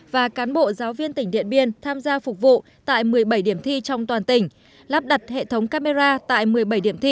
và cán bộ giáo viên tỉnh điện biên tham gia phục vụ tại một mươi bảy điểm thi trong toàn tỉnh lắp đặt hệ thống camera tại một mươi bảy điểm thi